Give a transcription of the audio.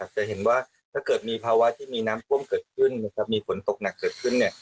จะเห็นว่าถ้าเกิดมีภาวะที่มีน้ำท่วมเกิดขึ้นนะครับมีฝนตกหนักเกิดขึ้นเนี่ย